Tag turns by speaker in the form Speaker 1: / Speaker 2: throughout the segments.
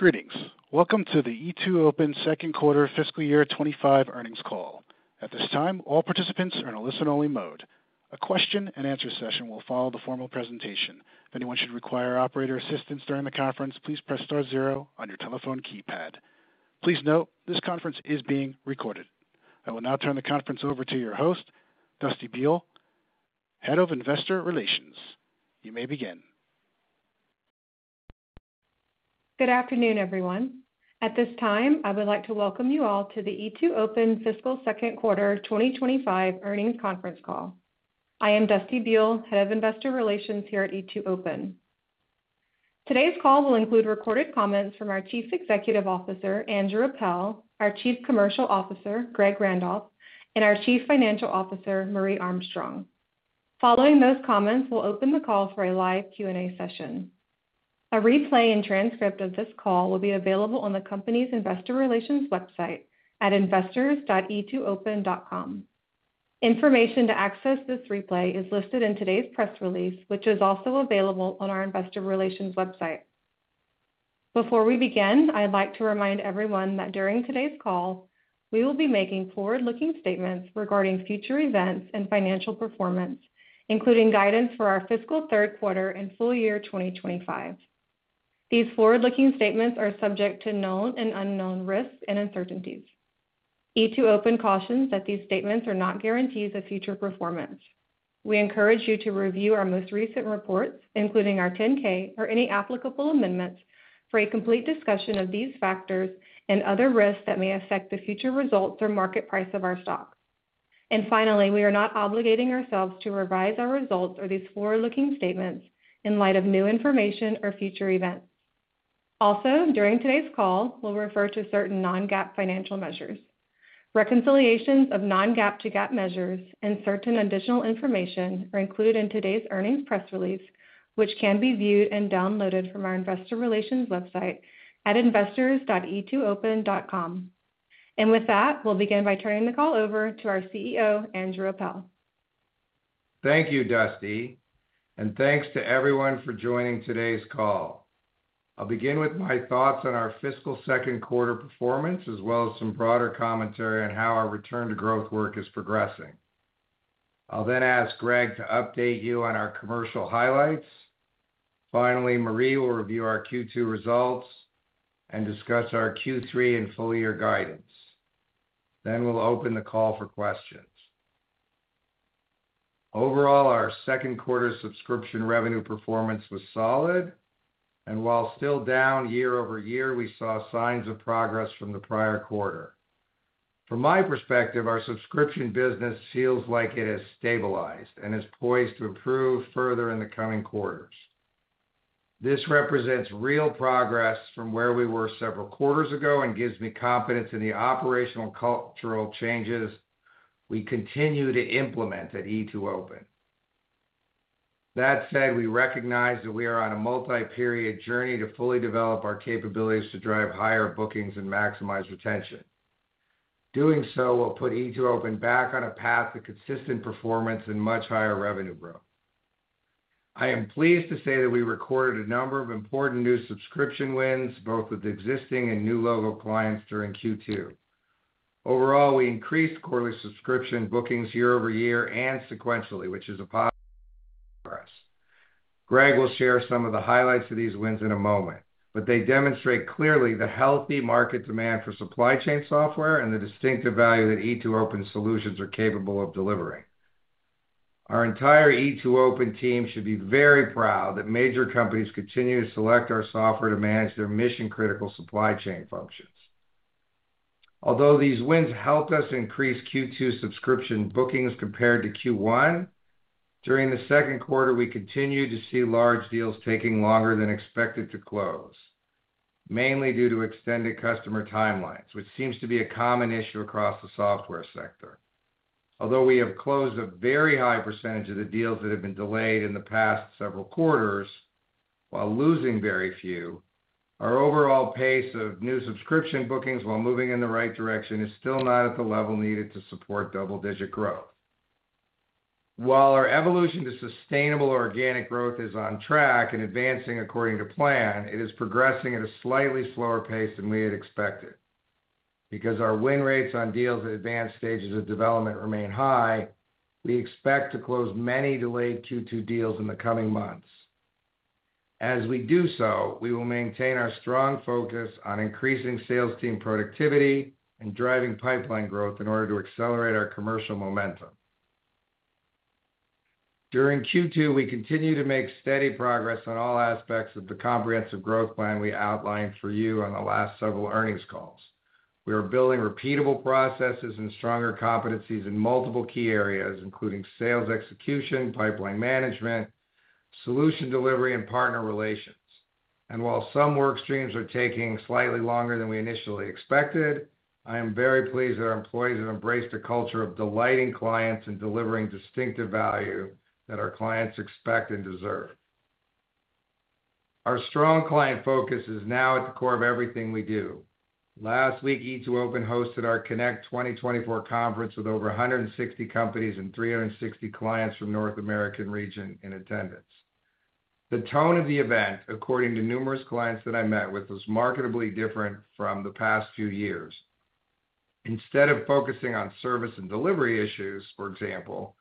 Speaker 1: Greetings! Welcome to the E2open second quarter fiscal year 2025 earnings call. At this time, all participants are in a listen-only mode. A question-and-answer session will follow the formal presentation. If anyone should require operator assistance during the conference, please press star zero on your telephone keypad. Please note, this conference is being recorded. I will now turn the conference over to your host, Dusty Buell, Head of Investor Relations. You may begin.
Speaker 2: Good afternoon, everyone. At this time, I would like to welcome you all to the E2open fiscal second quarter twenty twenty-five earnings conference call. I am Dusty Buell, Head of Investor Relations here at E2open. Today's call will include recorded comments from our Chief Executive Officer, Andrew Appel, our Chief Commercial Officer, Greg Randolph, and our Chief Financial Officer, Marje Armstrong. Following those comments, we'll open the call for a live Q&A session. A replay and transcript of this call will be available on the company's investor relations website at investors.e2open.com. Information to access this replay is listed in today's press release, which is also available on our investor relations website. Before we begin, I'd like to remind everyone that during today's call, we will be making forward-looking statements regarding future events and financial performance, including guidance for our fiscal third quarter and full year twenty twenty-five. These forward-looking statements are subject to known and unknown risks and uncertainties. E2open cautions that these statements are not guarantees of future performance. We encourage you to review our most recent reports, including our 10-K or any applicable amendments, for a complete discussion of these factors and other risks that may affect the future results or market price of our stock. And finally, we are not obligating ourselves to revise our results or these forward-looking statements in light of new information or future events. Also, during today's call, we'll refer to certain non-GAAP financial measures. Reconciliations of non-GAAP to GAAP measures and certain additional information are included in today's earnings press release, which can be viewed and downloaded from our investor relations website at investors.e2open.com. And with that, we'll begin by turning the call over to our CEO, Andrew Appel.
Speaker 3: Thank you, Dusty, and thanks to everyone for joining today's call. I'll begin with my thoughts on our fiscal second quarter performance, as well as some broader commentary on how our return to growth work is progressing. I'll then ask Greg to update you on our commercial highlights. Finally, Marje will review our Q2 results and discuss our Q3 and full year guidance. Then we'll open the call for questions. Overall, our second quarter subscription revenue performance was solid, and while still down year-over-year, we saw signs of progress from the prior quarter. From my perspective, our subscription business feels like it has stabilized and is poised to improve further in the coming quarters. This represents real progress from where we were several quarters ago and gives me confidence in the operational cultural changes we continue to implement at E2open. That said, we recognize that we are on a multi-period journey to fully develop our capabilities to drive higher bookings and maximize retention. Doing so will put E2open back on a path to consistent performance and much higher revenue growth. I am pleased to say that we recorded a number of important new subscription wins, both with existing and new logo clients during Q2. Overall, we increased quarterly subscription bookings year-over-year and sequentially, which is a positive for us. Greg will share some of the highlights of these wins in a moment, but they demonstrate clearly the healthy market demand for supply chain software and the distinctive value that E2open solutions are capable of delivering. Our entire E2open team should be very proud that major companies continue to select our software to manage their mission-critical supply chain functions. Although these wins helped us increase Q2 subscription bookings compared to Q1, during the second quarter, we continued to see large deals taking longer than expected to close, mainly due to extended customer timelines, which seems to be a common issue across the software sector. Although we have closed a very high percentage of the deals that have been delayed in the past several quarters, while losing very few, our overall pace of new subscription bookings, while moving in the right direction, is still not at the level needed to support double-digit growth. While our evolution to sustainable organic growth is on track and advancing according to plan, it is progressing at a slightly slower pace than we had expected. Because our win rates on deals at advanced stages of development remain high, we expect to close many delayed Q2 deals in the coming months. As we do so, we will maintain our strong focus on increasing sales team productivity and driving pipeline growth in order to accelerate our commercial momentum. During Q2, we continued to make steady progress on all aspects of the comprehensive growth plan we outlined for you on the last several earnings calls. We are building repeatable processes and stronger competencies in multiple key areas, including sales execution, pipeline management, solution delivery, and partner relations. While some work streams are taking slightly longer than we initially expected, I am very pleased that our employees have embraced a culture of delighting clients and delivering distinctive value that our clients expect and deserve. Our strong client focus is now at the core of everything we do.... Last week, E2open hosted our CONNECT 2024 conference with over 160 companies and 360 clients from North America in attendance. The tone of the event, according to numerous clients that I met with, was markedly different from the past few years. Instead of focusing on service and delivery issues, for example,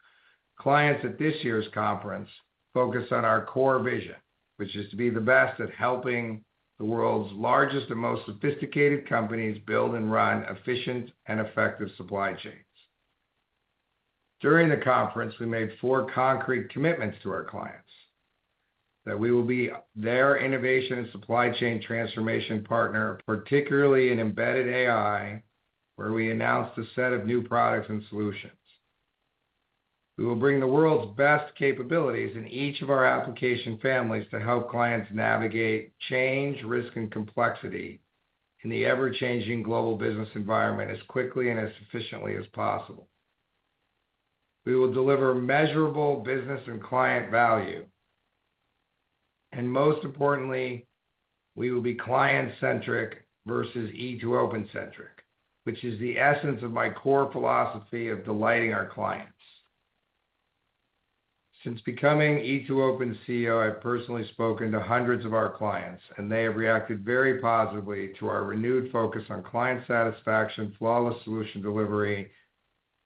Speaker 3: clients at this year's conference focused on our core vision, which is to be the best at helping the world's largest and most sophisticated companies build and run efficient and effective supply chains. During the conference, we made four concrete commitments to our clients, that we will be their innovation and supply chain transformation partner, particularly in embedded AI, where we announced a set of new products and solutions. We will bring the world's best capabilities in each of our application families to help clients navigate change, risk, and complexity in the ever-changing global business environment as quickly and as efficiently as possible. We will deliver measurable business and client value, and most importantly, we will be client-centric versus E2open-centric, which is the essence of my core philosophy of delighting our clients. Since becoming E2open's CEO, I've personally spoken to hundreds of our clients, and they have reacted very positively to our renewed focus on client satisfaction, flawless solution delivery,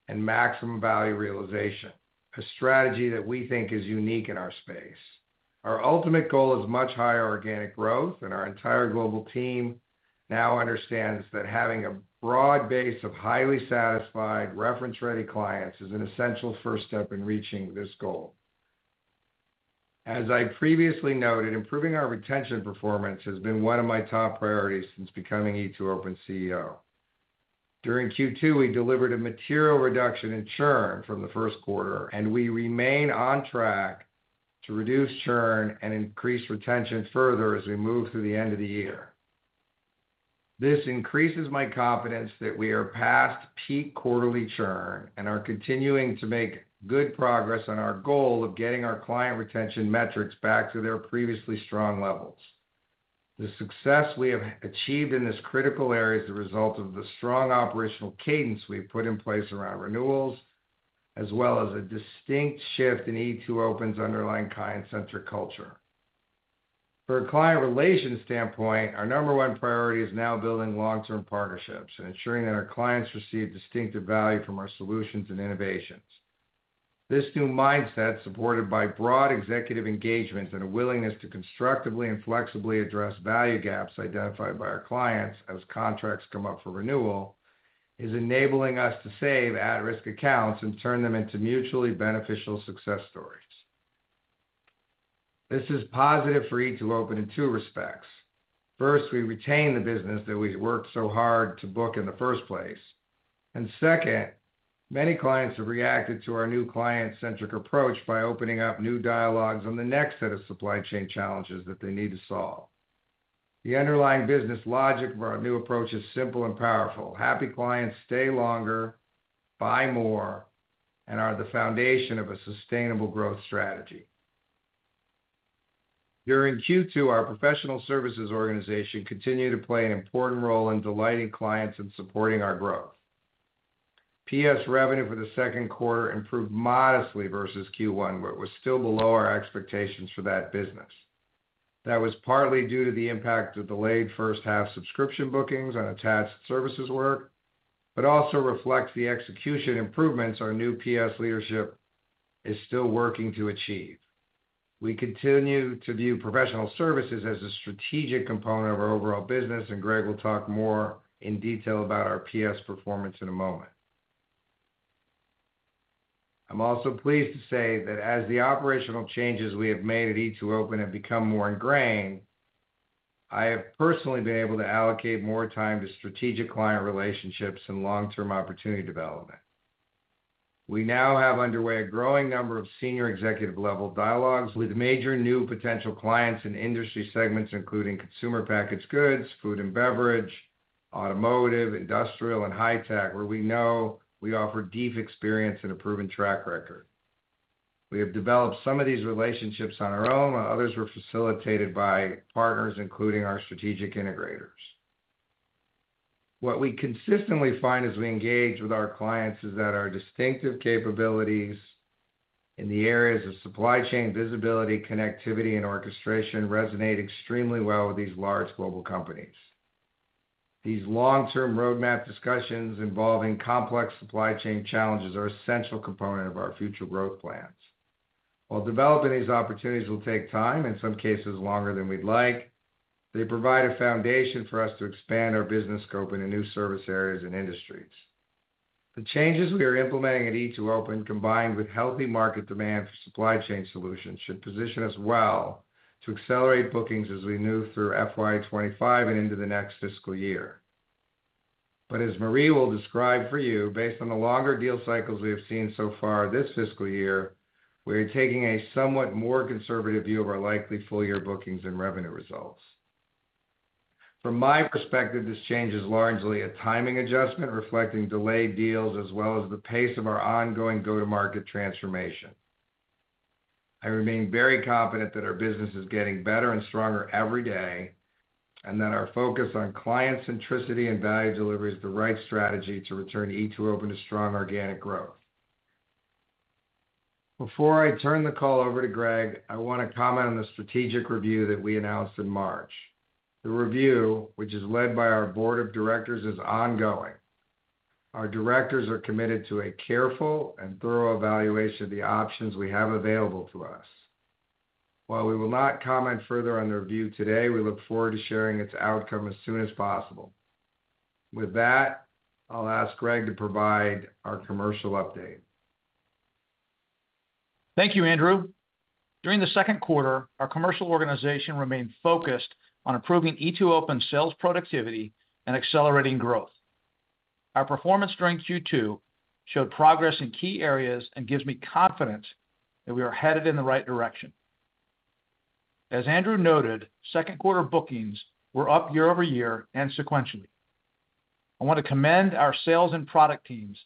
Speaker 3: and maximum value realization, a strategy that we think is unique in our space. Our ultimate goal is much higher organic growth, and our entire global team now understands that having a broad base of highly satisfied, reference-ready clients is an essential first step in reaching this goal. As I previously noted, improving our retention performance has been one of my top priorities since becoming E2open's CEO. During Q2, we delivered a material reduction in churn from the first quarter, and we remain on track to reduce churn and increase retention further as we move through the end of the year. This increases my confidence that we are past peak quarterly churn and are continuing to make good progress on our goal of getting our client retention metrics back to their previously strong levels. The success we have achieved in this critical area is the result of the strong operational cadence we've put in place around renewals, as well as a distinct shift in E2open's underlying client-centric culture. From a client relations standpoint, our number one priority is now building long-term partnerships and ensuring that our clients receive distinctive value from our solutions and innovations. This new mindset, supported by broad executive engagements and a willingness to constructively and flexibly address value gaps identified by our clients as contracts come up for renewal, is enabling us to save at-risk accounts and turn them into mutually beneficial success stories. This is positive for E2open in two respects. First, we retain the business that we worked so hard to book in the first place. And second, many clients have reacted to our new client-centric approach by opening up new dialogues on the next set of supply chain challenges that they need to solve. The underlying business logic for our new approach is simple and powerful. Happy clients stay longer, buy more, and are the foundation of a sustainable growth strategy. During Q2, our professional services organization continued to play an important role in delighting clients and supporting our growth. PS revenue for the second quarter improved modestly versus Q1, but was still below our expectations for that business. That was partly due to the impact of delayed first half subscription bookings on attached services work, but also reflects the execution improvements our new PS leadership is still working to achieve. We continue to view professional services as a strategic component of our overall business, and Greg will talk more in detail about our PS performance in a moment. I'm also pleased to say that as the operational changes we have made at E2open have become more ingrained, I have personally been able to allocate more time to strategic client relationships and long-term opportunity development. We now have underway a growing number of senior executive level dialogues with major new potential clients in industry segments, including consumer packaged goods, food and beverage, automotive, industrial, and high tech, where we know we offer deep experience and a proven track record. We have developed some of these relationships on our own, others were facilitated by partners, including our strategic integrators. What we consistently find as we engage with our clients, is that our distinctive capabilities in the areas of supply chain, visibility, connectivity, and orchestration resonate extremely well with these large global companies. These long-term roadmap discussions involving complex supply chain challenges are an essential component of our future growth plans. While developing these opportunities will take time, in some cases longer than we'd like, they provide a foundation for us to expand our business scope into new service areas and industries. The changes we are implementing at E2open, combined with healthy market demand for supply chain solutions, should position us well to accelerate bookings as we move through FY 2025 and into the next fiscal year. But as Marje will describe for you, based on the longer deal cycles we have seen so far this fiscal year, we are taking a somewhat more conservative view of our likely full year bookings and revenue results. From my perspective, this change is largely a timing adjustment, reflecting delayed deals, as well as the pace of our ongoing go-to-market transformation.... I remain very confident that our business is getting better and stronger every day, and that our focus on client centricity and value delivery is the right strategy to return E2open to strong organic growth. Before I turn the call over to Greg, I want to comment on the strategic review that we announced in March. The review, which is led by our board of directors, is ongoing. Our directors are committed to a careful and thorough evaluation of the options we have available to us. While we will not comment further on the review today, we look forward to sharing its outcome as soon as possible. With that, I'll ask Greg to provide our commercial update.
Speaker 4: Thank you, Andrew. During the second quarter, our commercial organization remained focused on improving E2open sales productivity and accelerating growth. Our performance during Q2 showed progress in key areas and gives me confidence that we are headed in the right direction. As Andrew noted, second quarter bookings were up year-over-year and sequentially. I want to commend our sales and product teams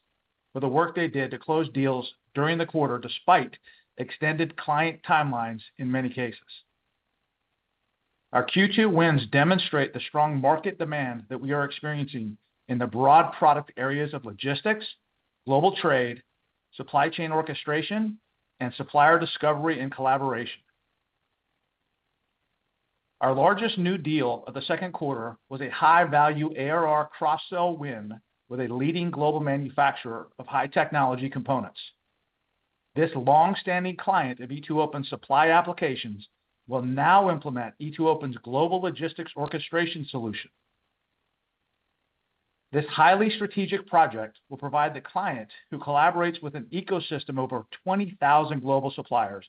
Speaker 4: for the work they did to close deals during the quarter, despite extended client timelines in many cases. Our Q2 wins demonstrate the strong market demand that we are experiencing in the broad product areas of logistics, global trade, supply chain orchestration, and supplier discovery and collaboration. Our largest new deal of the second quarter was a high-value ARR cross-sell win with a leading global manufacturer of high technology components. This long-standing client of E2open supply applications will now implement E2open's Global Logistics Orchestration solution. This highly strategic project will provide the client, who collaborates with an ecosystem of over twenty thousand global suppliers,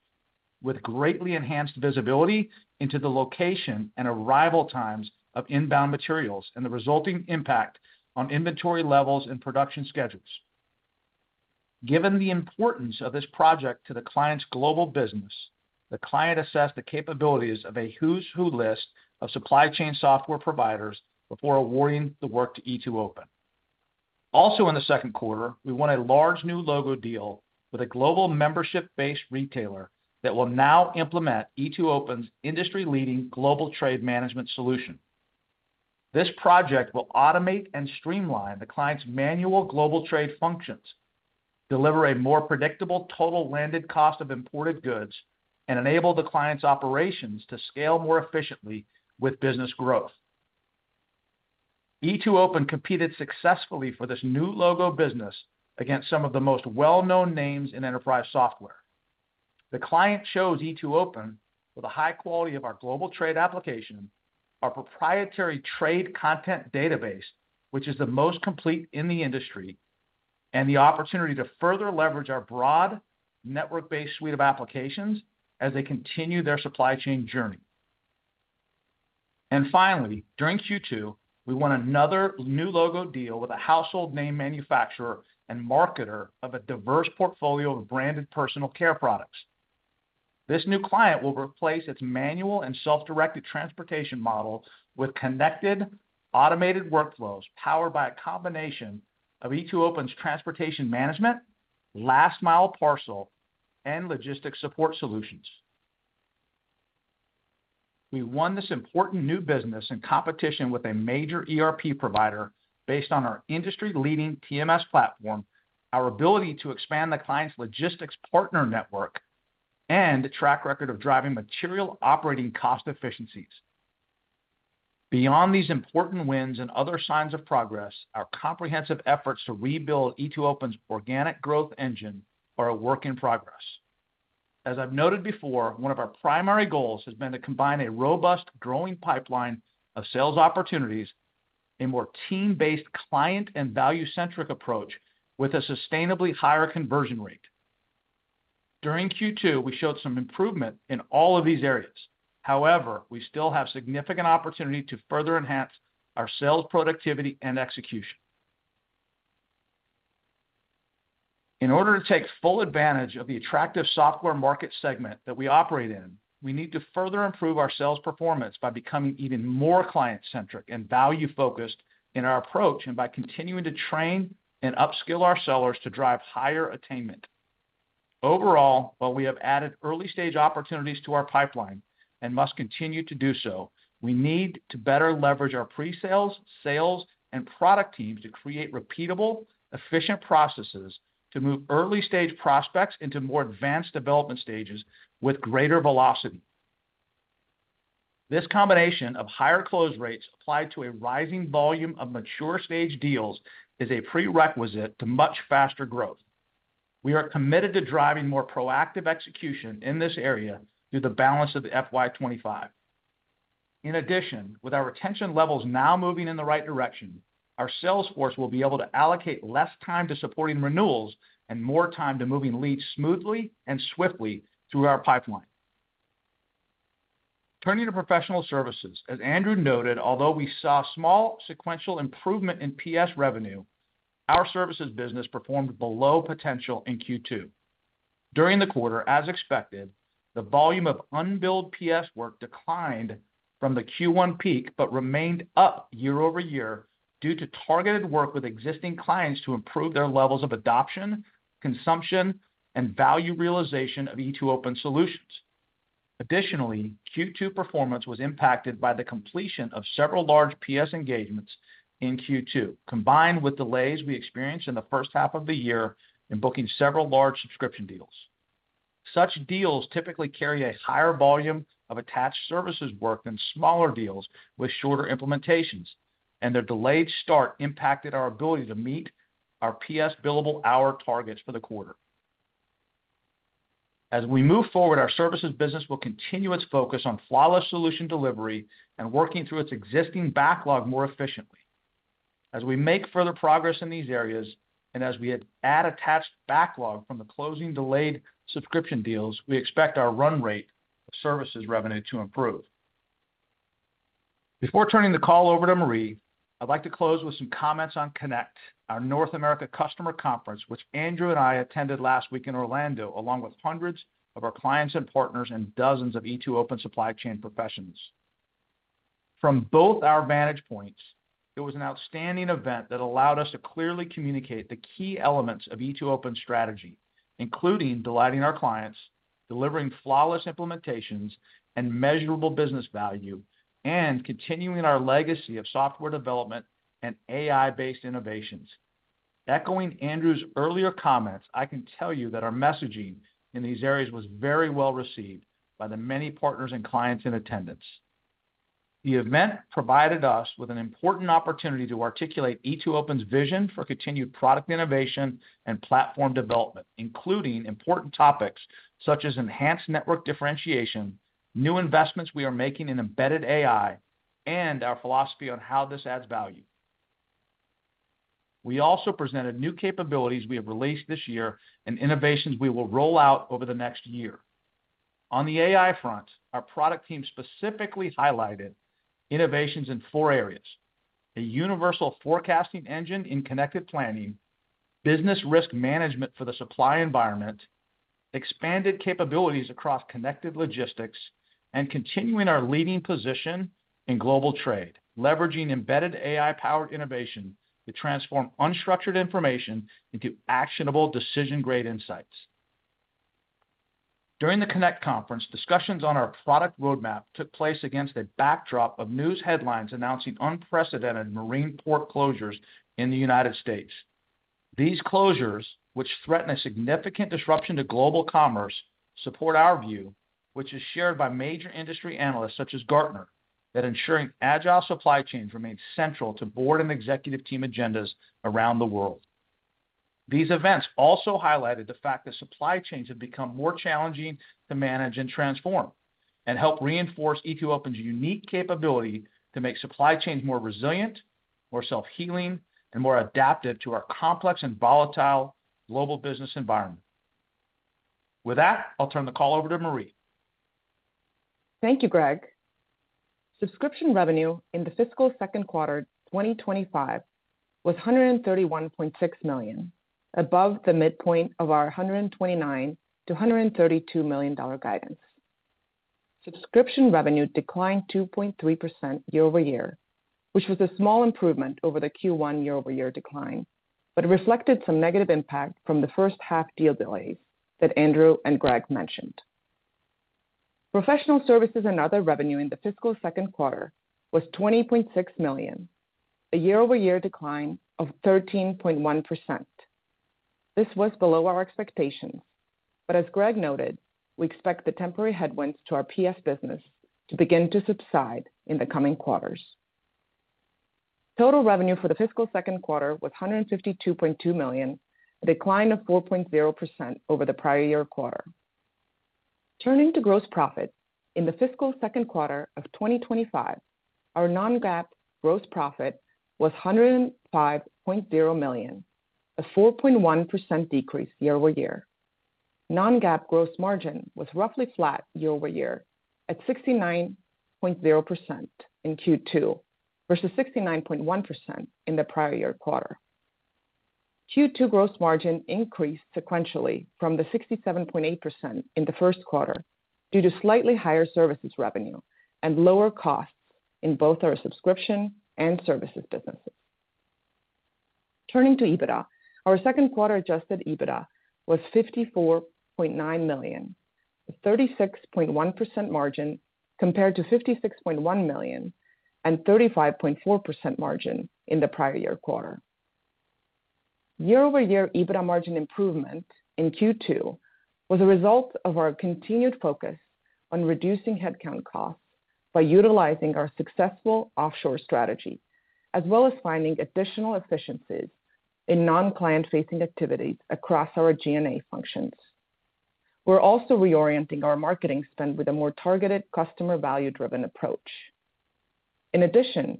Speaker 4: with greatly enhanced visibility into the location and arrival times of inbound materials and the resulting impact on inventory levels and production schedules. Given the importance of this project to the client's global business, the client assessed the capabilities of a who's who list of supply chain software providers before awarding the work to E2open. Also in the second quarter, we won a large new logo deal with a global membership-based retailer that will now implement E2open's industry-leading Global Trade Management solution. This project will automate and streamline the client's manual global trade functions, deliver a more predictable total landed cost of imported goods, and enable the client's operations to scale more efficiently with business growth. E2open competed successfully for this new logo business against some of the most well-known names in enterprise software. The client chose E2open for the high quality of our global trade application, our proprietary trade content database, which is the most complete in the industry, and the opportunity to further leverage our broad network-based suite of applications as they continue their supply chain journey, and finally, during Q2, we won another new logo deal with a household name manufacturer and marketer of a diverse portfolio of branded personal care products. This new client will replace its manual and self-directed transportation model with connected, automated workflows, powered by a combination of E2open's Transportation Management, Last Mile Parcel, and logistics support solutions. We won this important new business in competition with a major ERP provider based on our industry-leading TMS platform, our ability to expand the client's logistics partner network, and the track record of driving material operating cost efficiencies. Beyond these important wins and other signs of progress, our comprehensive efforts to rebuild E2open's organic growth engine are a work in progress. As I've noted before, one of our primary goals has been to combine a robust, growing pipeline of sales opportunities, a more team-based client and value-centric approach with a sustainably higher conversion rate. During Q2, we showed some improvement in all of these areas. However, we still have significant opportunity to further enhance our sales, productivity, and execution. In order to take full advantage of the attractive software market segment that we operate in, we need to further improve our sales performance by becoming even more client-centric and value-focused in our approach, and by continuing to train and upskill our sellers to drive higher attainment. Overall, while we have added early-stage opportunities to our pipeline and must continue to do so, we need to better leverage our pre-sales, sales, and product teams to create repeatable, efficient processes to move early-stage prospects into more advanced development stages with greater velocity. This combination of higher close rates applied to a rising volume of mature stage deals is a prerequisite to much faster growth. We are committed to driving more proactive execution in this area through the balance of the FY 2025. In addition, with our retention levels now moving in the right direction, our sales force will be able to allocate less time to supporting renewals and more time to moving leads smoothly and swiftly through our pipeline. Turning to professional services, as Andrew noted, although we saw small sequential improvement in PS revenue, our services business performed below potential in Q2. During the quarter, as expected, the volume of unbilled PS work declined from the Q1 peak, but remained up year-over-year due to targeted work with existing clients to improve their levels of adoption, consumption, and value realization of E2open solutions. Additionally, Q2 performance was impacted by the completion of several large PS engagements in Q2, combined with delays we experienced in the first half of the year in booking several large subscription deals. Such deals typically carry a higher volume of attached services work than smaller deals with shorter implementations, and their delayed start impacted our ability to meet our PS billable hour targets for the quarter. As we move forward, our services business will continue its focus on flawless solution delivery and working through its existing backlog more efficiently. As we make further progress in these areas, and as we add attached backlog from the closing delayed subscription deals, we expect our run rate of services revenue to improve. Before turning the call over to Marje, I'd like to close with some comments on CONNECT, our North America Customer Conference, which Andrew and I attended last week in Orlando, along with hundreds of our clients and partners and dozens of E2open supply chain professionals. From both our vantage points, it was an outstanding event that allowed us to clearly communicate the key elements of E2open strategy, including delighting our clients, delivering flawless implementations and measurable business value, and continuing our legacy of software development and AI-based innovations. Echoing Andrew's earlier comments, I can tell you that our messaging in these areas was very well received by the many partners and clients in attendance. The event provided us with an important opportunity to articulate E2open's vision for continued product innovation and platform development, including important topics such as enhanced network differentiation, new investments we are making in embedded AI, and our philosophy on how this adds value. We also presented new capabilities we have released this year and innovations we will roll out over the next year. On the AI front, our product team specifically highlighted innovations in four areas: a Universal Forecasting Engine in Connected Planning, business risk management for the supply environment, expanded capabilities across Connected Logistics, and continuing our leading position in global trade, leveraging embedded AI-powered innovation to transform unstructured information into actionable decision-grade insights. During the CONNECT conference, discussions on our product roadmap took place against a backdrop of news headlines announcing unprecedented marine port closures in the United States. These closures, which threaten a significant disruption to global commerce, support our view, which is shared by major industry analysts such as Gartner, that ensuring agile supply chains remain central to board and executive team agendas around the world. These events also highlighted the fact that supply chains have become more challenging to manage and transform, and help reinforce E2open's unique capability to make supply chains more resilient, more self-healing, and more adaptive to our complex and volatile global business environment. With that, I'll turn the call over to Marje.
Speaker 5: Thank you, Greg. Subscription revenue in the fiscal second quarter 2025 was $131.6 million, above the midpoint of our $129 million-$132 million guidance. Subscription revenue declined 2.3% year-over-year, which was a small improvement over the Q1 year-over-year decline, but reflected some negative impact from the first half deal delays that Andrew and Greg mentioned. Professional services and other revenue in the fiscal second quarter was $20.6 million, a year-over-year decline of 13.1%. This was below our expectations, but as Greg noted, we expect the temporary headwinds to our PS business to begin to subside in the coming quarters. Total revenue for the fiscal second quarter was $152.2 million, a decline of 4.0% over the prior year quarter. Turning to gross profit, in the fiscal second quarter of 2025, our Non-GAAP gross profit was $105.0 million, a 4.1% decrease year-over-year. Non-GAAP gross margin was roughly flat year-over-year at 69.0% in Q2, versus 69.1% in the prior year quarter. Q2 gross margin increased sequentially from the 67.8% in the first quarter due to slightly higher services revenue and lower costs in both our subscription and services businesses. Turning to EBITDA, our second quarter Adjusted EBITDA was $54.9 million, a 36.1% margin, compared to $56.1 million and 35.4% margin in the prior year quarter. Year-over-year EBITDA margin improvement in Q2 was a result of our continued focus on reducing headcount costs by utilizing our successful offshore strategy, as well as finding additional efficiencies in non-client-facing activities across our G&A functions. We're also reorienting our marketing spend with a more targeted customer value-driven approach. In addition,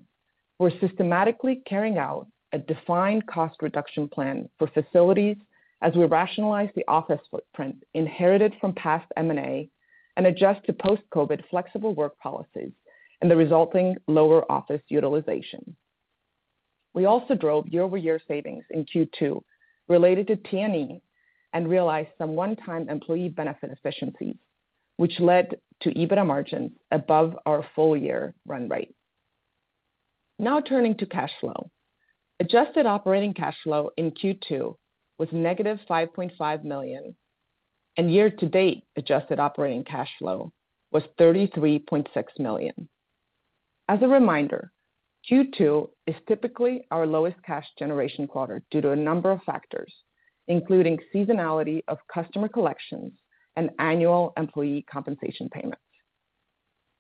Speaker 5: we're systematically carrying out a defined cost reduction plan for facilities as we rationalize the office footprint inherited from past M&A and adjust to post-COVID flexible work policies and the resulting lower office utilization. We also drove year-over-year savings in Q2 related to T&E and realized some one-time employee benefit efficiencies, which led to EBITDA margins above our full year run rate. Now turning to cash flow. Adjusted operating cash flow in Q2 was negative $5.5 million, and year-to-date adjusted operating cash flow was $33.6 million. As a reminder, Q2 is typically our lowest cash generation quarter due to a number of factors, including seasonality of customer collections and annual employee compensation payments.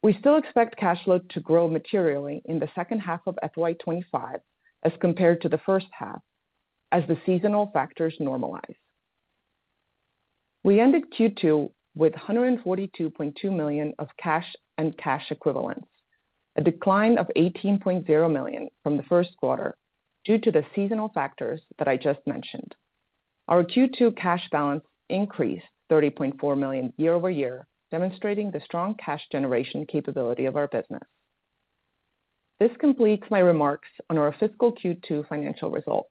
Speaker 5: We still expect cash flow to grow materially in the second half of FY 2025 as compared to the first half, as the seasonal factors normalize. We ended Q2 with $142.2 million of cash and cash equivalents, a decline of $18.0 million from the first quarter due to the seasonal factors that I just mentioned. Our Q2 cash balance increased $30.4 million year-over-year, demonstrating the strong cash generation capability of our business. This completes my remarks on our fiscal Q2 financial results.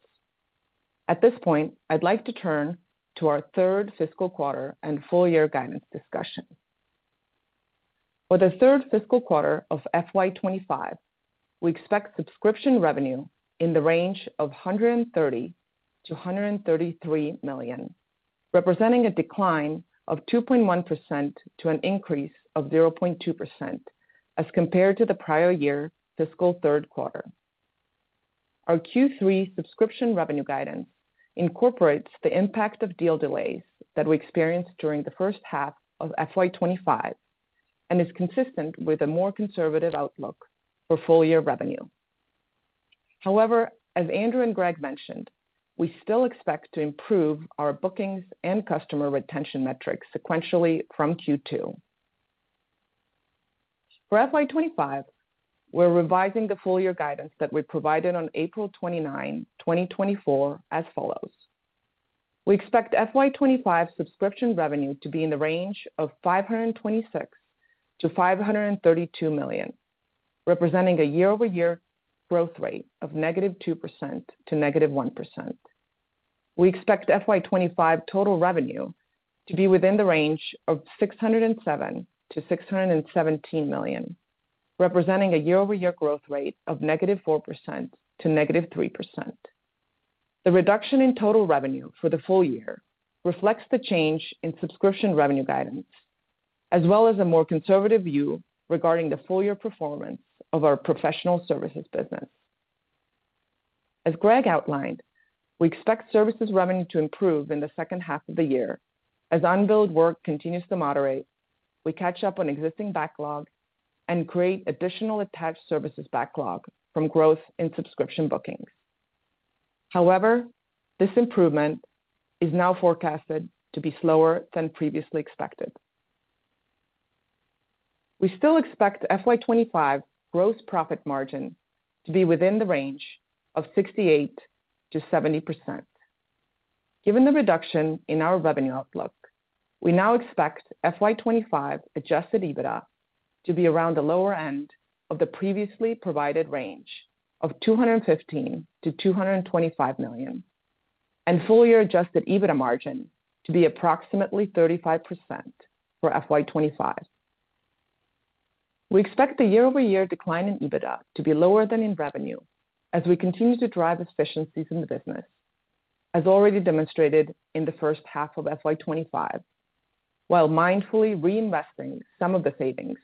Speaker 5: At this point, I'd like to turn to our third fiscal quarter and full-year guidance discussion. For the third fiscal quarter of FY 2025, we expect subscription revenue in the range of $130 million-$133 million, representing a decline of 2.1% to an increase of 0.2% as compared to the prior year fiscal third quarter. Our Q3 subscription revenue guidance incorporates the impact of deal delays that we experienced during the first half of FY 2025, and is consistent with a more conservative outlook for full-year revenue. However, as Andrew and Greg mentioned, we still expect to improve our bookings and customer retention metrics sequentially from Q2. For FY 2025, we're revising the full-year guidance that we provided on April 29, 2024, as follows: We expect FY 2025 subscription revenue to be in the range of $526 million-$532 million, representing a year-over-year growth rate of negative 2% to negative 1%. We expect FY 2025 total revenue to be within the range of $607 million-$617 million, representing a year-over-year growth rate of negative 4% to negative 3%. The reduction in total revenue for the full year reflects the change in subscription revenue guidance, as well as a more conservative view regarding the full year performance of our professional services business. As Greg outlined, we expect services revenue to improve in the second half of the year. As unbilled work continues to moderate, we catch up on existing backlog and create additional attached services backlog from growth in subscription bookings. However, this improvement is now forecasted to be slower than previously expected. We still expect FY 2025 gross profit margin to be within the range of 68%-70%. Given the reduction in our revenue outlook, we now expect FY 2025 Adjusted EBITDA to be around the lower end of the previously provided range of $215 million-$225 million, and full year Adjusted EBITDA margin to be approximately 35% for FY 2025. We expect the year-over-year decline in EBITDA to be lower than in revenue as we continue to drive efficiencies in the business, as already demonstrated in the first half of FY 2025, while mindfully reinvesting some of the savings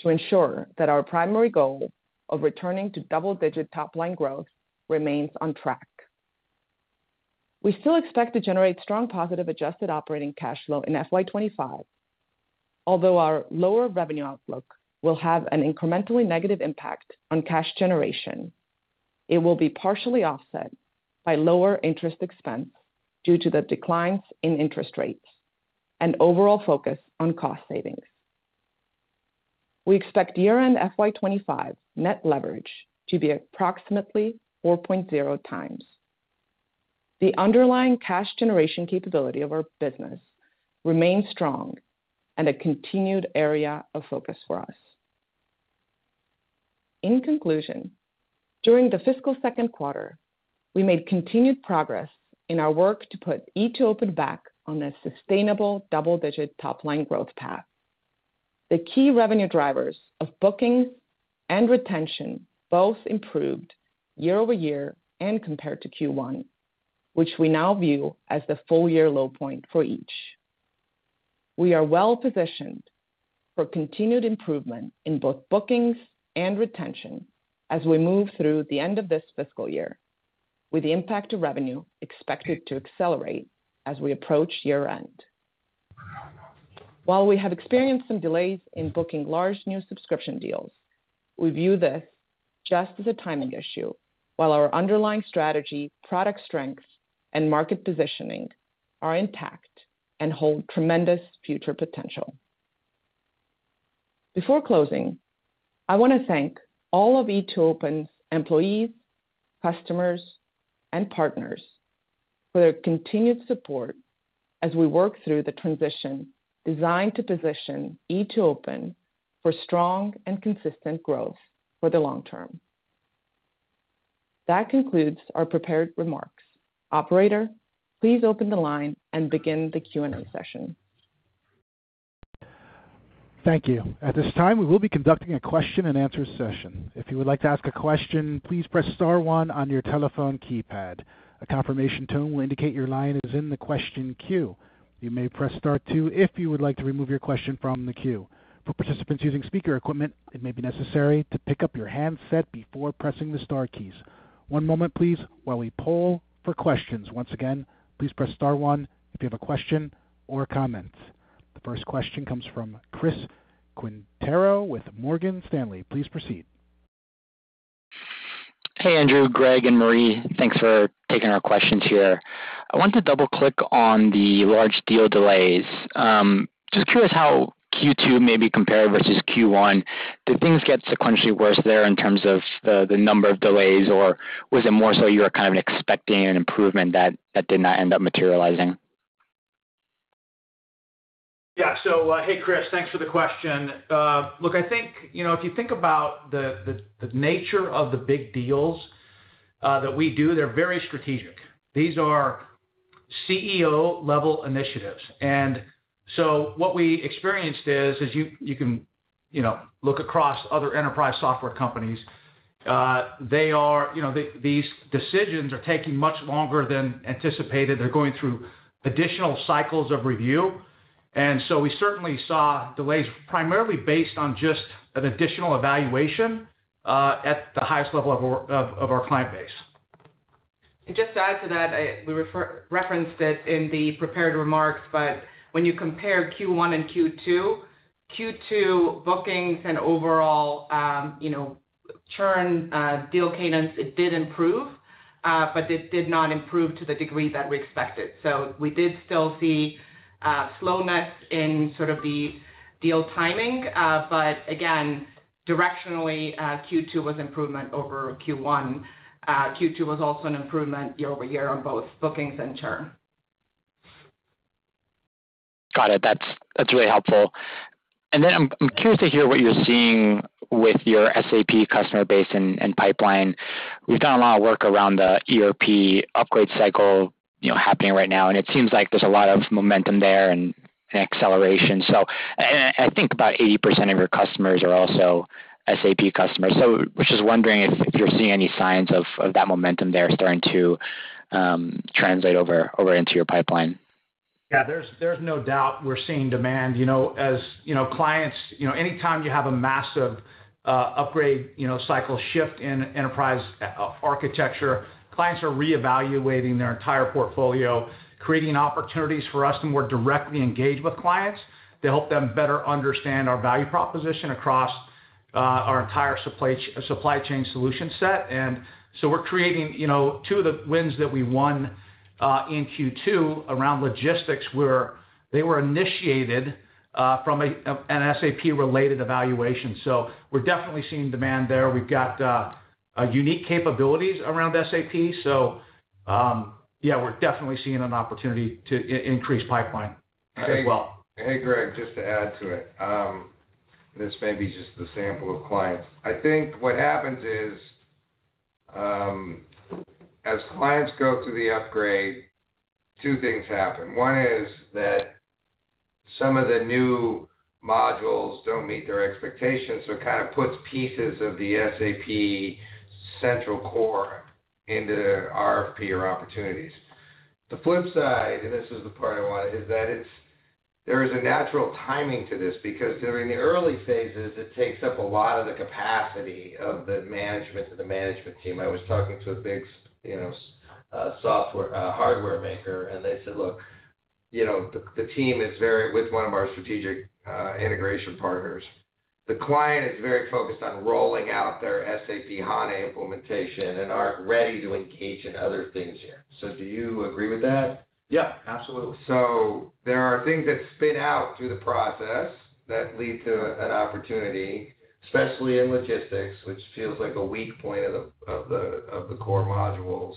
Speaker 5: to ensure that our primary goal of returning to double-digit top-line growth remains on track. We still expect to generate strong positive adjusted operating cash flow in FY 2025. Although our lower revenue outlook will have an incrementally negative impact on cash generation, it will be partially offset by lower interest expense due to the declines in interest rates and overall focus on cost savings. We expect year-end FY 2025 net leverage to be approximately 4.0 times. The underlying cash generation capability of our business remains strong and a continued area of focus for us. In conclusion, during the fiscal second quarter, we made continued progress in our work to put E2open back on a sustainable double-digit top-line growth path. The key revenue drivers of bookings and retention both improved year-over-year and compared to Q1, which we now view as the full year low point for each. We are well positioned for continued improvement in both bookings and retention as we move through the end of this fiscal year, with the impact to revenue expected to accelerate as we approach year-end. While we have experienced some delays in booking large new subscription deals, we view this just as a timing issue, while our underlying strategy, product strengths, and market positioning are intact and hold tremendous future potential. Before closing, I want to thank all of E2open's employees, customers, and partners for their continued support as we work through the transition designed to position E2open for strong and consistent growth for the long term. That concludes our prepared remarks. Operator, please open the line and begin the Q&A session.
Speaker 1: Thank you. At this time, we will be conducting a question-and-answer session. If you would like to ask a question, please press star one on your telephone keypad. A confirmation tone will indicate your line is in the question queue. You may press star two if you would like to remove your question from the queue. For participants using speaker equipment, it may be necessary to pick up your handset before pressing the star keys. One moment, please, while we poll for questions. Once again, please press star one if you have a question or comments. The first question comes from Chris Quintero with Morgan Stanley. Please proceed.
Speaker 6: Hey, Andrew, Greg, and Marje, thanks for taking our questions here. I want to double-click on the large deal delays. Just curious how Q2 may be compared versus Q1. Did things get sequentially worse there in terms of the number of delays, or was it more so you were kind of expecting an improvement that did not end up materializing?
Speaker 4: Yeah. So, hey, Chris, thanks for the question. Look, I think, you know, if you think about the nature of the big deals that we do, they're very strategic. These are CEO-level initiatives. And so what we experienced is you can, you know, look across other enterprise software companies. They are... You know, the- these decisions are taking much longer than anticipated. They're going through additional cycles of review. And so we certainly saw delays primarily based on just an additional evaluation at the highest level of our client base.
Speaker 5: And just to add to that, we referenced it in the prepared remarks, but when you compare Q1 and Q2, Q2 bookings and overall, you know, churn, deal cadence, it did improve, but it did not improve to the degree that we expected. So we did still see slowness in sort of the deal timing, but again, directionally, Q2 was improvement over Q1. Q2 was also an improvement year-over-year on both bookings and churn.
Speaker 6: Got it. That's really helpful. And then I'm curious to hear what you're seeing with your SAP customer base and pipeline. We've done a lot of work around the ECC upgrade cycle, you know, happening right now, and it seems like there's a lot of momentum there and acceleration. So I think about 80% of your customers are also SAP customers, so was just wondering if you're seeing any signs of that momentum there starting to translate over into your pipeline?
Speaker 4: Yeah, there's no doubt we're seeing demand. You know, as you know, clients. You know, anytime you have a massive upgrade, you know, cycle shift in enterprise architecture, clients are reevaluating their entire portfolio, creating opportunities for us, and we're directly engaged with clients to help them better understand our value proposition across our entire supply chain solution set. And so we're creating, you know, two of the wins that we won in Q2 around logistics were initiated from an SAP-related evaluation. So we're definitely seeing demand there. We've got a unique capabilities around SAP, so yeah, we're definitely seeing an opportunity to increase pipeline as well.
Speaker 3: Hey, Greg, just to add to it, this may be just the sample of clients. I think what happens is, as clients go through the upgrade, two things happen. One is that some of the new modules don't meet their expectations, so it kind of puts pieces of the SAP central core into RFP or opportunities. The flip side, and this is the part I want, is that it's, there is a natural timing to this, because during the early phases, it takes up a lot of the capacity of the management to the management team. I was talking to a big, you know, software hardware maker, and they said, "Look, you know, the, the team is very with one of our strategic integration partners. The client is very focused on rolling out their SAP HANA implementation and aren't ready to engage in other things here." So do you agree with that?
Speaker 4: Yeah, absolutely.
Speaker 3: So there are things that spin out through the process that lead to an opportunity, especially in logistics, which feels like a weak point of the core modules.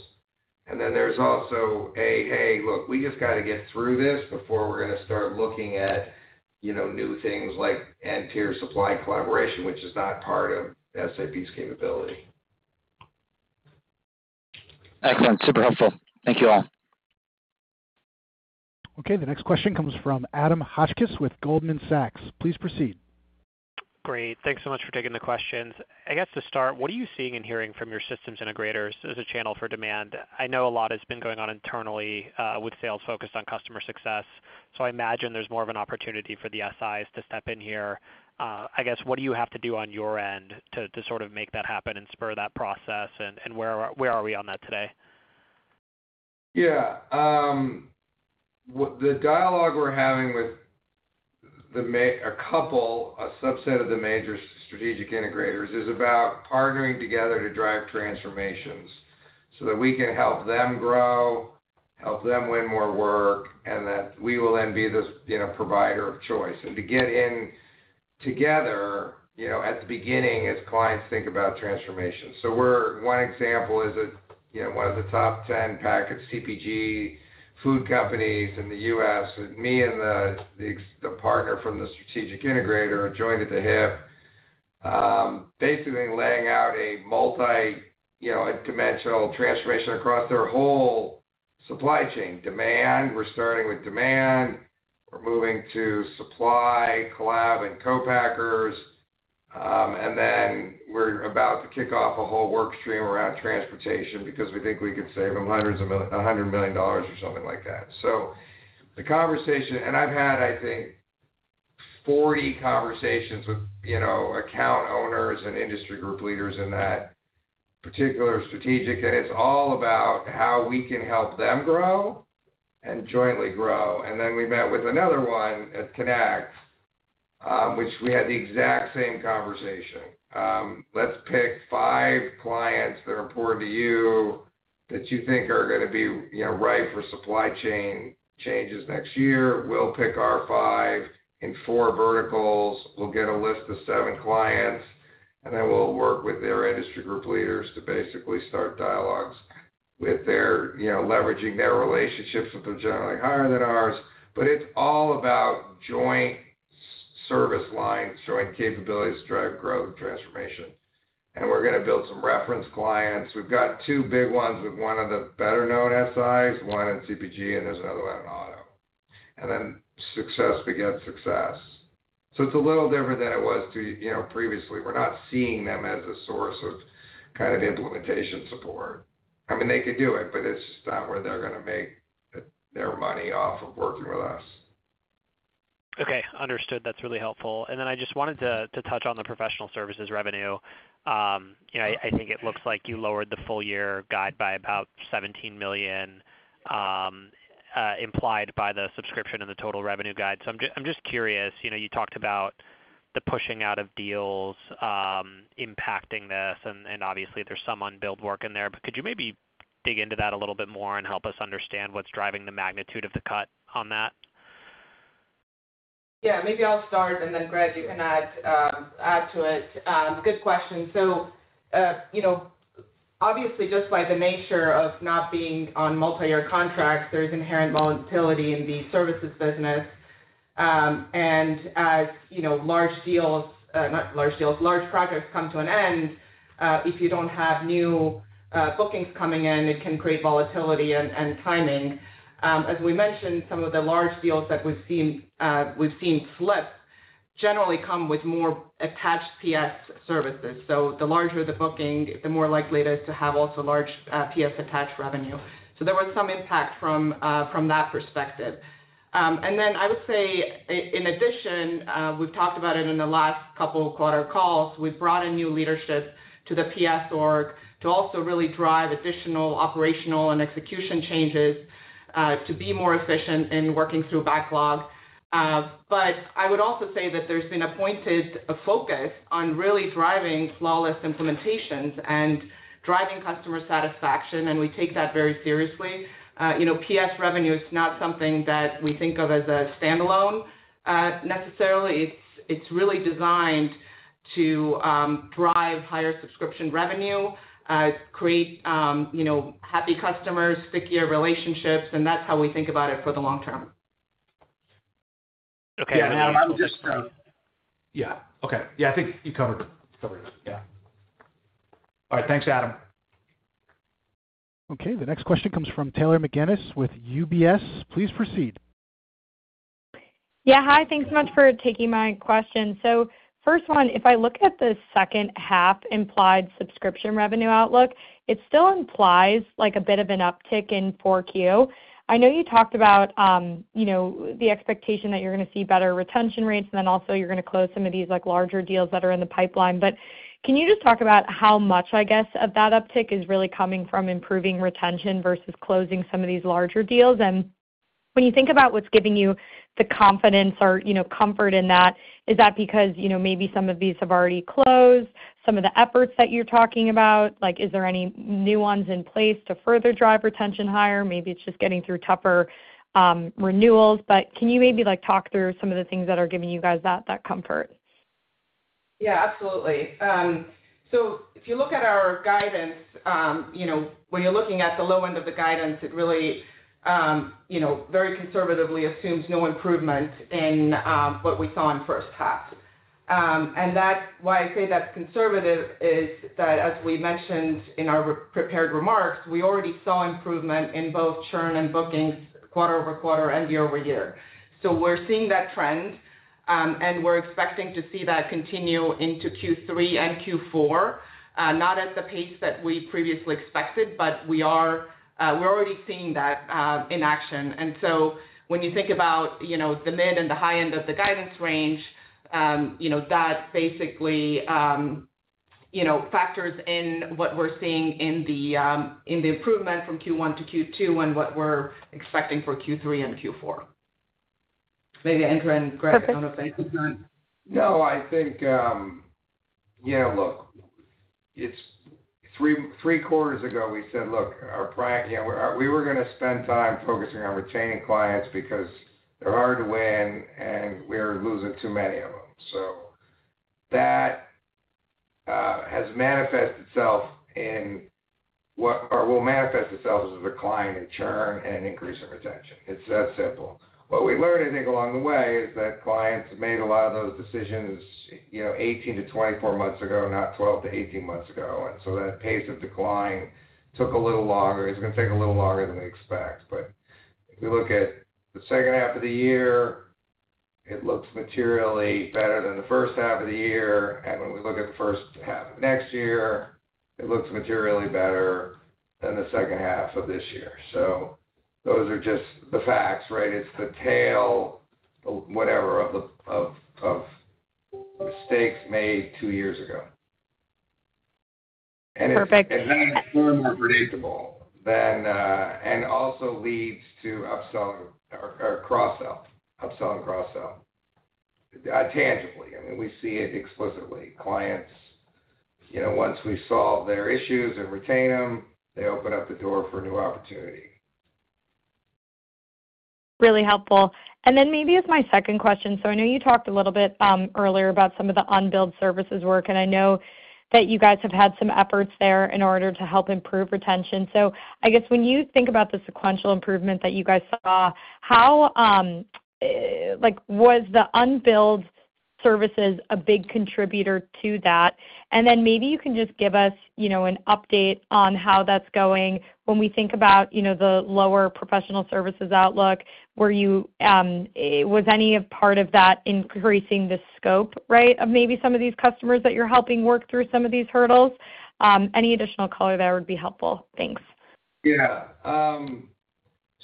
Speaker 3: And then there's also, "Hey, look, we just got to get through this before we're going to start looking at, you know, new things like N-tier supply collaboration," which is not part of SAP's capability.
Speaker 6: Excellent. Super helpful. Thank you all.
Speaker 1: Okay, the next question comes from Adam Hotchkiss with Goldman Sachs. Please proceed.
Speaker 7: Great. Thanks so much for taking the questions. I guess to start, what are you seeing and hearing from your systems integrators as a channel for demand? I know a lot has been going on internally with sales focused on customer success, so I imagine there's more of an opportunity for the SIs to step in here. I guess, what do you have to do on your end to sort of make that happen and spur that process? And where are we on that today?
Speaker 3: Yeah, the dialogue we're having with a couple, a subset of the major strategic integrators, is about partnering together to drive transformations, so that we can help them grow, help them win more work, and that we will then be this, you know, provider of choice, and to get in together, you know, at the beginning as clients think about transformation. So, one example is that, you know, one of the top 10 packaged CPG food companies in the U.S., with me and the partner from the strategic integrator are joined at the hip, basically laying out a multi-dimensional transformation across their whole supply chain. Demand, we're starting with demand, we're moving to supply, collab, and co-packers. And then we're about to kick off a whole work stream around transportation because we think we could save them a hundred million dollars or something like that. So the conversation. And I've had, I think, forty conversations with, you know, account owners and industry group leaders in that particular strategic, and it's all about how we can help them grow and jointly grow. And then we met with another one at Connect, which we had the exact same conversation. Let's pick five clients that are important to you, that you think are gonna be, you know, right for supply chain changes next year. We'll pick our five in four verticals. We'll get a list of seven clients, and then we'll work with their industry group leaders to basically start dialogues with them, you know, leveraging their relationships with them, generally higher than ours. But it's all about joint service lines, joint capabilities to drive growth and transformation. And we're gonna build some reference clients. We've got two big ones with one of the better-known SIs, one in CPG, and there's another one in auto. And then success begets success. So it's a little different than it was to, you know, previously. We're not seeing them as a source of kind of implementation support. I mean, they could do it, but it's just not where they're gonna make their money off of working with us.
Speaker 7: Okay, understood. That's really helpful. And then I just wanted to touch on the professional services revenue. You know, I think it looks like you lowered the full year guide by about $17 million, implied by the subscription and the total revenue guide. So I'm just curious. You know, you talked about the pushing out of deals impacting this, and obviously there's some unbilled work in there. But could you maybe dig into that a little bit more and help us understand what's driving the magnitude of the cut on that?
Speaker 5: Yeah, maybe I'll start, and then, Greg, you can add, add to it. Good question. So, you know, obviously, just by the nature of not being on multi-year contracts, there's inherent volatility in the services business. And as you know, large deals, large projects come to an end, if you don't have new bookings coming in, it can create volatility and timing. As we mentioned, some of the large deals that we've seen slip, generally come with more attached PS services. So the larger the booking, the more likely it is to have also large PS attached revenue. So there was some impact from that perspective. And then I would say in addition, we've talked about it in the last couple of quarter calls. We've brought in new leadership to the PS org to also really drive additional operational and execution changes to be more efficient in working through backlog. But I would also say that there's been a pointed focus on really driving flawless implementations and driving customer satisfaction, and we take that very seriously. You know, PS revenue is not something that we think of as a standalone, necessarily. It's, it's really designed to drive higher subscription revenue, create you know happy customers, stickier relationships, and that's how we think about it for the long term.
Speaker 7: Okay-
Speaker 3: Yeah, Adam, I would just. Yeah, okay. Yeah, I think you covered it. Covered it, yeah. All right, thanks, Adam.
Speaker 1: Okay, the next question comes from Taylor McGinnis with UBS. Please proceed.
Speaker 8: Yeah, hi, thanks so much for taking my question. So first one, if I look at the second half implied subscription revenue outlook, it still implies like a bit of an uptick in Q4. I know you talked about, you know, the expectation that you're gonna see better retention rates, and then also you're gonna close some of these, like, larger deals that are in the pipeline. But can you just talk about how much, I guess, of that uptick is really coming from improving retention versus closing some of these larger deals? And when you think about what's giving you the confidence or, you know, comfort in that, is that because, you know, maybe some of these have already closed? Some of the efforts that you're talking about, like, is there any new ones in place to further drive retention higher? Maybe it's just getting through tougher renewals, but can you maybe, like, talk through some of the things that are giving you guys that comfort?
Speaker 5: Yeah, absolutely. So if you look at our guidance, you know, when you're looking at the low end of the guidance, it really, you know, very conservatively assumes no improvement in what we saw in first half, and that's why I say that's conservative is that, as we mentioned in our prepared remarks, we already saw improvement in both churn and bookings quarter over quarter and year-over-year. So we're seeing that trend, and we're expecting to see that continue into Q3 and Q4, not at the pace that we previously expected, but we are, we're already seeing that in action. And so when you think about, you know, the mid and the high end of the guidance range, you know, that basically, you know, factors in what we're seeing in the improvement from Q1 to Q2 and what we're expecting for Q3 and Q4. Maybe Andrew and Greg, I don't know if they can comment.
Speaker 3: No, I think, yeah, look, it's three quarters ago, we said, look, our prior you know, we were gonna spend time focusing on retaining clients because they're hard to win, and we're losing too many of them. So that has manifested itself in or will manifest itself as a decline in churn and increase in retention. It's that simple. What we learned, I think, along the way, is that clients made a lot of those decisions, you know, eighteen to twenty-four months ago, not twelve to eighteen months ago, and so that pace of decline took a little longer. It's gonna take a little longer than we expect. But if we look at the second half of the year, it looks materially better than the first half of the year, and when we look at the first half of next year, it looks materially better than the second half of this year. So those are just the facts, right? It's the tale of whatever of the mistakes made two years ago.
Speaker 8: Perfect.
Speaker 3: And it's more predictable than. And also leads to upsell or cross-sell, upsell and cross-sell tangibly. I mean, we see it explicitly. Clients, you know, once we solve their issues and retain them, they open up the door for new opportunity.
Speaker 8: Really helpful. And then maybe as my second question, so I know you talked a little bit earlier about some of the unbilled services work, and I know that you guys have had some efforts there in order to help improve retention. So I guess when you think about the sequential improvement that you guys saw, how, like, was the unbilled services a big contributor to that? And then maybe you can just give us, you know, an update on how that's going. When we think about, you know, the lower professional services outlook, were you, was any of part of that increasing the scope, right, of maybe some of these customers that you're helping work through some of these hurdles? Any additional color there would be helpful. Thanks.
Speaker 3: Yeah.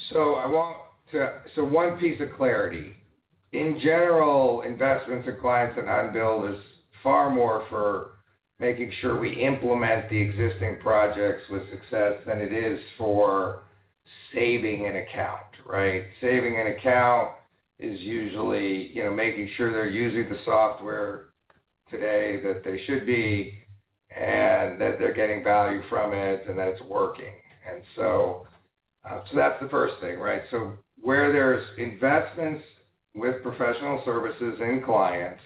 Speaker 3: So I want to. So one piece of clarity. In general, investments in clients and unbilled is far more for making sure we implement the existing projects with success than it is for saving an account, right? Saving an account is usually, you know, making sure they're using the software today, that they should be, and that they're getting value from it, and that it's working. And so, so that's the first thing, right? So where there's investments with professional services and clients,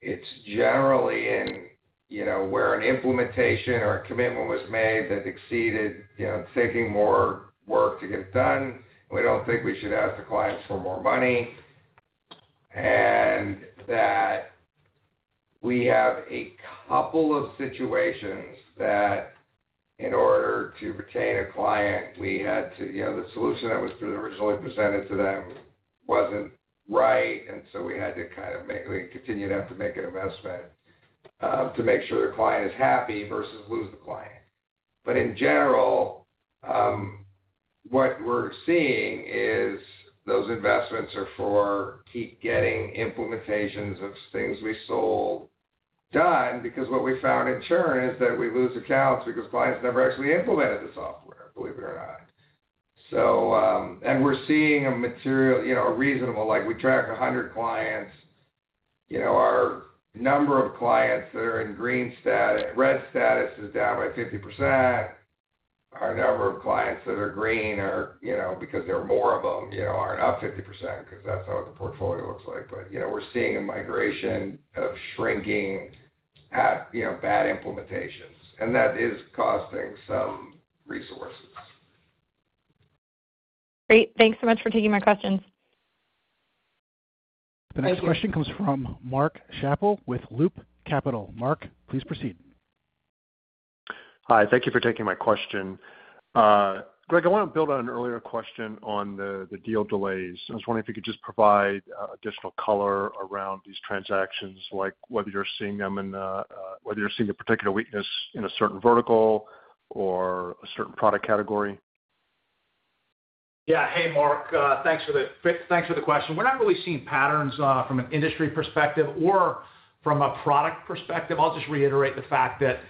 Speaker 3: it's generally in, you know, where an implementation or a commitment was made that exceeded, you know, taking more work to get done. We don't think we should ask the clients for more money, and that we have a couple of situations that in order to retain a client, we had to... You know, the solution that was originally presented to them wasn't right, and so we had to kind of, we continued to have to make an investment to make sure the client is happy versus lose the client. But in general, what we're seeing is those investments are to keep getting implementations of things we sold done, because what we found in churn is that we lose accounts because clients never actually implemented the software, believe it or not. So, and we're seeing a material, you know, a reasonable like, we track 100 clients. You know, our number of clients that are in red status is down by 50%. Our number of clients that are green are, you know, because there are more of them, you know, are up 50% because that's how the portfolio looks like. But, you know, we're seeing a migration of shrinking at, you know, bad implementations, and that is costing some resources.
Speaker 8: Great. Thanks so much for taking my questions.
Speaker 3: Thank you.
Speaker 1: The next question comes from Mark Schappell with Loop Capital. Mark, please proceed. Hi, thank you for taking my question. Greg, I wanna build on an earlier question on the deal delays. I was wondering if you could just provide additional color around these transactions, like whether you're seeing them in whether you're seeing a particular weakness in a certain vertical or a certain product category.
Speaker 4: Yeah. Hey, Mark, thanks for the question. We're not really seeing patterns from an industry perspective or from a product perspective. I'll just reiterate the fact that,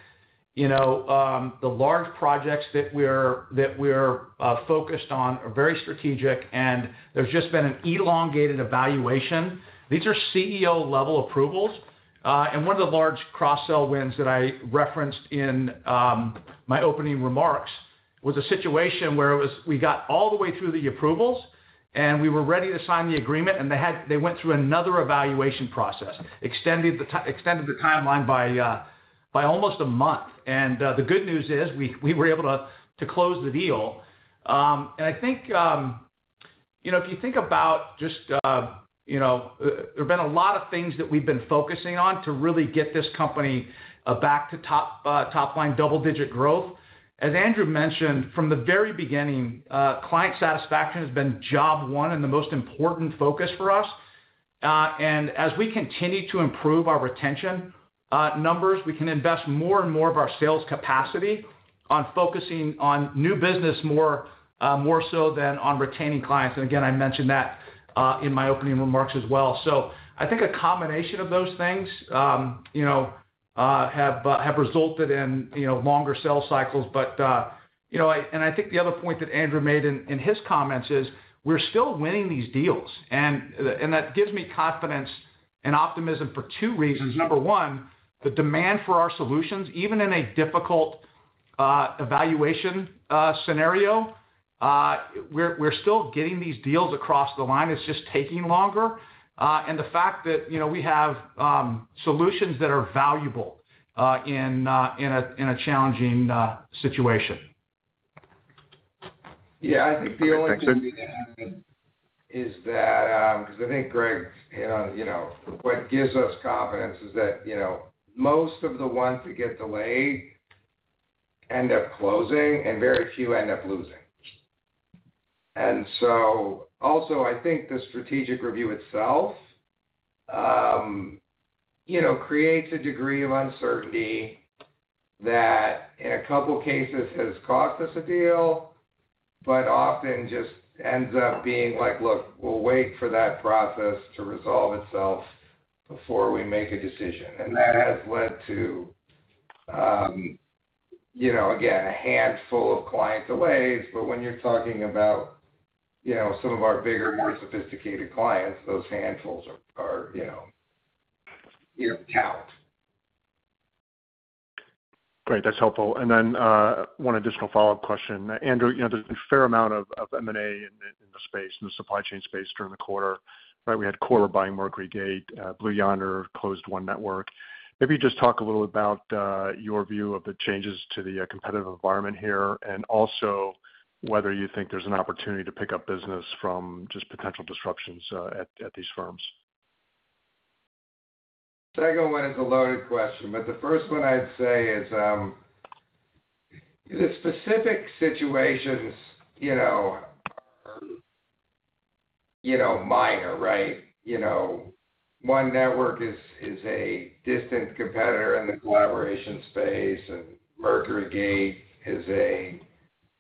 Speaker 4: you know, the large projects that we're focused on are very strategic, and there's just been an elongated evaluation. These are CEO-level approvals, and one of the large cross-sell wins that I referenced in my opening remarks was a situation where we got all the way through the approvals, and we were ready to sign the agreement, and they went through another evaluation process, extended the timeline by almost a month. The good news is we were able to close the deal. And I think, you know, if you think about just, you know, there have been a lot of things that we've been focusing on to really get this company back to top-line double-digit growth. As Andrew mentioned, from the very beginning, client satisfaction has been job one and the most important focus for us. And as we continue to improve our retention numbers, we can invest more and more of our sales capacity on focusing on new business more so than on retaining clients. And again, I mentioned that in my opening remarks as well. So I think a combination of those things, you know, have resulted in, you know, longer sales cycles. But, you know, I... I think the other point that Andrew made in his comments is, we're still winning these deals, and that gives me confidence and optimism for two reasons. Number one, the demand for our solutions, even in a difficult evaluation scenario, we're still getting these deals across the line. It's just taking longer, and the fact that, you know, we have solutions that are valuable in a challenging situation.
Speaker 3: Yeah, I think the only thing to add is that, because I think, Greg, you know, what gives us confidence is that, you know, most of the ones that get delayed end up closing and very few end up losing. And so also, I think the strategic review itself, you know, creates a degree of uncertainty that in a couple cases has cost us a deal, but often just ends up being like, "Look, we'll wait for that process to resolve itself before we make a decision." And that has led to, you know, again, a handful of client delays, but when you're talking about, you know, some of our bigger, more sophisticated clients, those handfuls are, you know, you count. Great, that's helpful. And then, one additional follow-up question. Andrew, you know, there's been a fair amount of M&A in the supply chain space during the quarter, right? We had Koch buying MercuryGate, Blue Yonder closed One Network. Maybe just talk a little about your view of the changes to the competitive environment here, and also whether you think there's an opportunity to pick up business from just potential disruptions at these firms. Second one is a loaded question, but the first one I'd say is the specific situations, you know, are minor, right? You know, One Network is a distant competitor in the collaboration space, and MercuryGate is a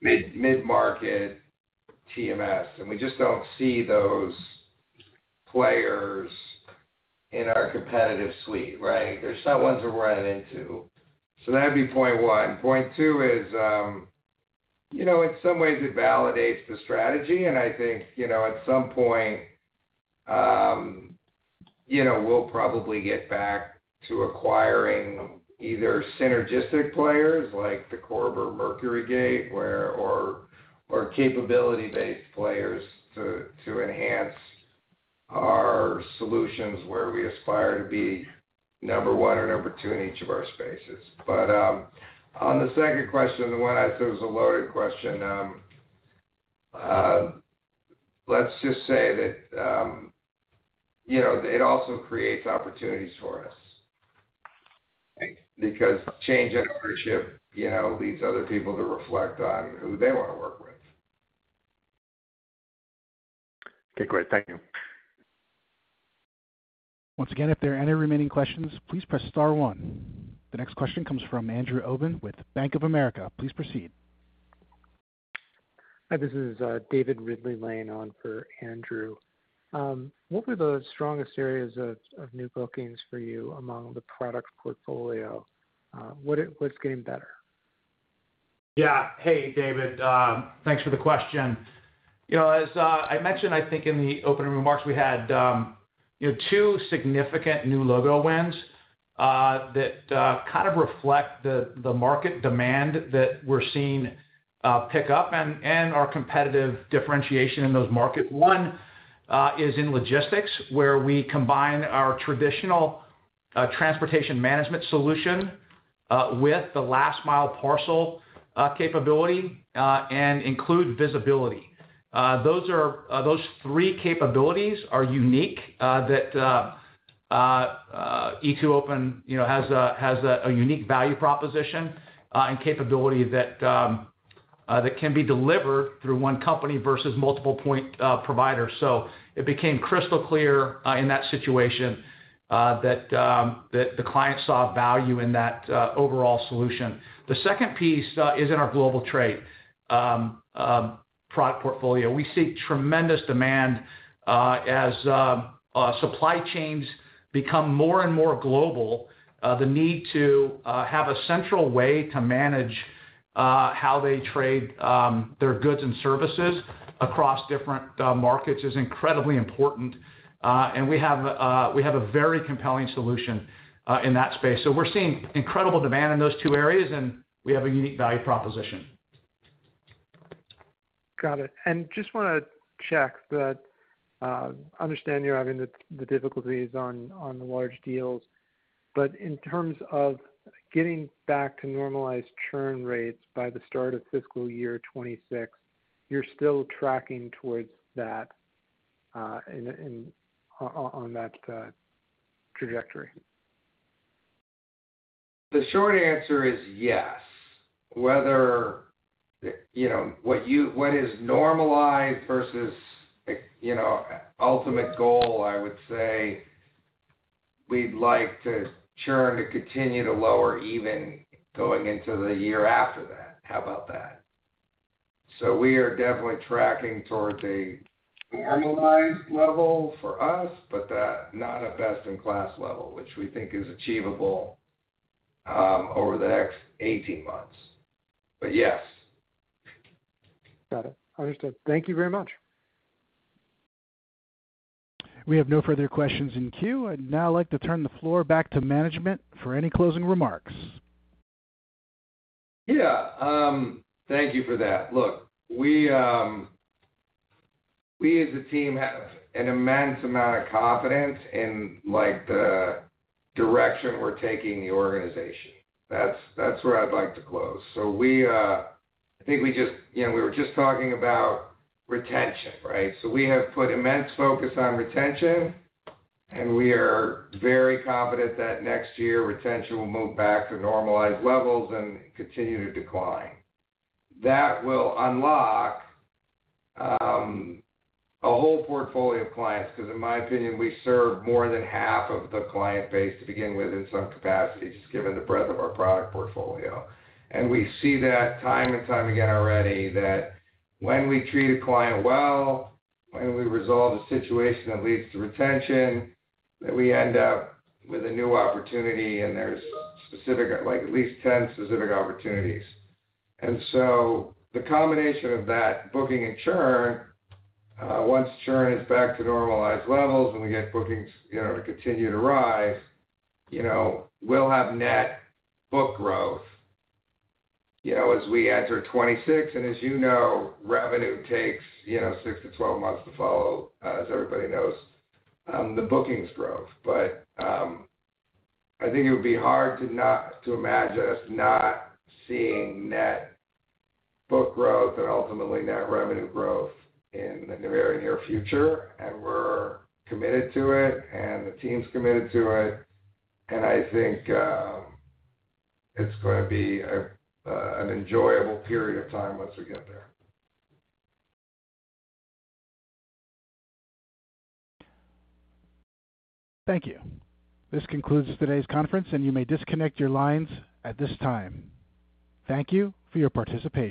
Speaker 3: mid-market TMS, and we just don't see those players in our competitive suite, right? They're not ones we're running into. So that'd be point one. Point two is, you know, in some ways it validates the strategy, and I think, you know, at some point, you know, we'll probably get back to acquiring either synergistic players, like the Koch or MercuryGate, or capability-based players to enhance our solutions, where we aspire to be number one or number two in each of our spaces. But, on the second question, the one I said was a loaded question, let's just say that, you know, it also creates opportunities for us. Because change and ownership, you know, leads other people to reflect on who they wanna work with. Okay, great. Thank you.
Speaker 1: Once again, if there are any remaining questions, please press star one. The next question comes from Andrew Obin with Bank of America. Please proceed. Hi, this is David Ridley-Lane standing in for Andrew Obin. What were the strongest areas of new bookings for you among the product portfolio? What's getting better?
Speaker 4: Yeah. Hey, David, thanks for the question. You know, as I mentioned, I think in the opening remarks, we had, you know, two significant new logo wins that kind of reflect the market demand that we're seeing pick up and our competitive differentiation in those market. One is in logistics, where we combine our traditional transportation management solution with the last mile parcel capability and include visibility. Those three capabilities are unique that E2open, you know, has a unique value proposition and capability that can be delivered through one company versus multiple point providers. So it became crystal clear in that situation that the client saw value in that overall solution. The second piece is in our global trade product portfolio. We see tremendous demand as supply chains become more and more global, the need to have a central way to manage how they trade their goods and services across different markets is incredibly important, and we have a very compelling solution in that space. So we're seeing incredible demand in those two areas, and we have a unique value proposition. Got it. And just wanna check that, I understand you're having the difficulties on the large deals, but in terms of getting back to normalized churn rates by the start of fiscal year twenty-six, you're still tracking towards that, and on that trajectory?
Speaker 3: The short answer is yes. Whether, you know, what you—what is normalized versus, you know, ultimate goal, I would say we'd like the churn to continue to lower, even going into the year after that. How about that? So we are definitely tracking towards a normalized level for us, but not a best-in-class level, which we think is achievable over the next 18 months. But yes. Got it. Understood. Thank you very much.
Speaker 1: ...We have no further questions in queue. I'd now like to turn the floor back to management for any closing remarks.
Speaker 3: Yeah, thank you for that. Look, we as a team have an immense amount of confidence in, like, the direction we're taking the organization. That's where I'd like to close. So we, I think we just, you know, we were just talking about retention, right? So we have put immense focus on retention, and we are very confident that next year, retention will move back to normalized levels and continue to decline. That will unlock a whole portfolio of clients, because in my opinion, we serve more than half of the client base to begin with in some capacity, just given the breadth of our product portfolio. We see that time and time again already, that when we treat a client well, when we resolve a situation that leads to retention, that we end up with a new opportunity, and there's specific, like, at least 10 specific opportunities. So the combination of that booking and churn, once churn is back to normalized levels and we get bookings, you know, to continue to rise, you know, we'll have net book growth, you know, as we enter 2026. And as you know, revenue takes, you know, six to twelve months to follow, as everybody knows, the bookings growth. But I think it would be hard not to imagine us not seeing net book growth and ultimately net revenue growth in the very near future. We're committed to it, and the team's committed to it, and I think it's going to be an enjoyable period of time once we get there.
Speaker 1: Thank you. This concludes today's conference, and you may disconnect your lines at this time. Thank you for your participation.